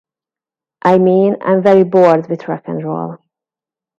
I mean, I'm very bored with rock and roll.